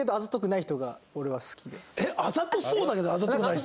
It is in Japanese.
えっあざとそうだけどあざとくない人？